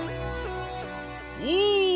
お！